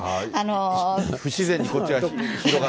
不自然にこっちが広がって。